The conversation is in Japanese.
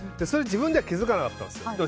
それ、自分では気づかなかったんですよ。